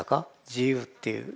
自由っていう。